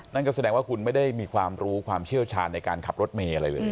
นั่นก็แสดงว่าคุณไม่ได้มีความรู้ความเชี่ยวชาญในการขับรถเมย์อะไรเลย